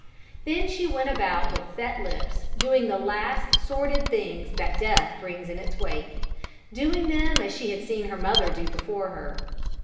Then she went about with set lips, doing the last sordid things that death brings in its wake; doing them as she had seen her mother do before her.